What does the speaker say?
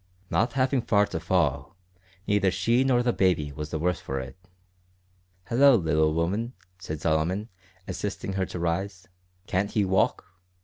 Not having far to fall, neither she nor the baby was the worse for it. "Hallo, little woman!" said Solomon, assisting her to rise, "can't he walk?"